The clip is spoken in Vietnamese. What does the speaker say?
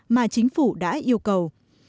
mà chính phủ đã yêu cầu